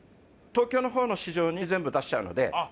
東京の方の市場に全部出しちゃうので。